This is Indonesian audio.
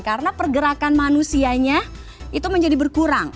karena pergerakan manusianya itu menjadi berkurang